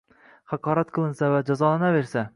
haqorat qilinsa va jazolanaversa